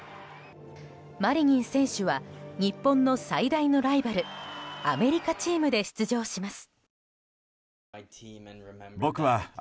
マリニン選手は日本の最大のライバルアメリカチームで出場します。